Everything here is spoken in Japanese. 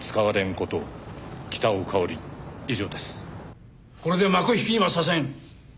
これで幕引きにはさせん。